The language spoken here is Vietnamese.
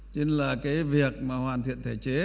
nên là cái việc mà hoàn thiện thể chế